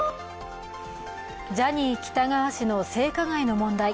ジャニー喜多川氏の性加害の問題。